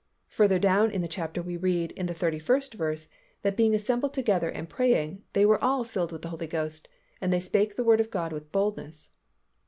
Further down in the chapter we read, in the thirty first verse, that being assembled together and praying, they were "all filled with the Holy Ghost, and they spake the Word of God with boldness."